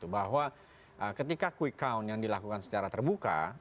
bahwa ketika quick count yang dilakukan secara terbuka